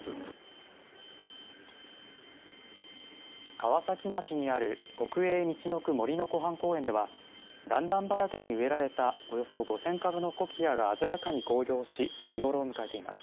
川崎町にある国営みちのく杜の湖畔公園では段々畑に植えられたおよそ５０００株のコキアが鮮やかに紅葉し見頃を迎えています。